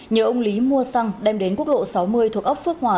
nhờ ông lý mua xăng đem đến quốc lộ sáu mươi thuộc ấp phước hòa